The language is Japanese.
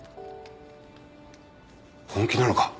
本気なのか？